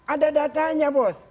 ada datanya bos